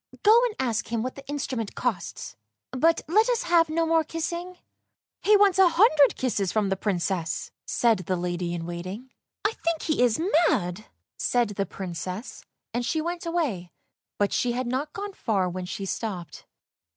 Go and ask him what the instrument costs, but let us have no more kissing." " He wants a hundred kisses from the Princess! " said the lady in waiting. " I think he is mad! " said the Princess, and she went away, but she had not gone far when she stopped.